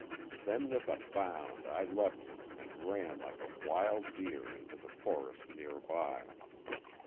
Then with a bound I left him and ran like a wild deer into the forest near by.